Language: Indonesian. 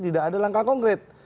tidak ada langkah konkret